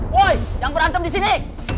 woy yang berantem disini